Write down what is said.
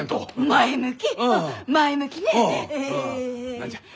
何じゃ？